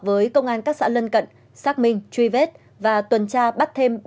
với công an các xã lân cận xác minh truy vết và tuần tra bắt thêm